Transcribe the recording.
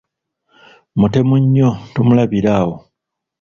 Mutemu nnyo tomulabira awo!